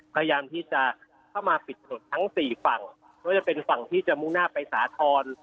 พยายามที่จะเข้ามาปิดถนนทั้งสี่ฝั่งไม่ว่าจะเป็นฝั่งที่จะมุ่งหน้าไปสาธรณ์